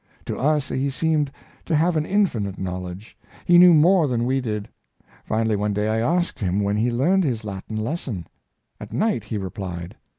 To us he seemed to have an infinite knowledge. He knew more than we did. Finally, one day I asked him when he learned his Latin lesson. " At night," he replied.